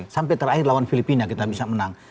sampai terakhir lawan filipina kita bisa menang